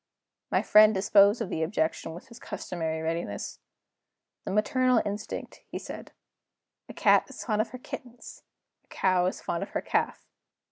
My friend disposed of the objection with his customary readiness. "The maternal instinct," he said. "A cat is fond of her kittens; a cow is fond of her calf.